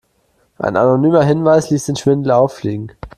Ein anonymer Hinweis ließ den Schwindel auffliegen.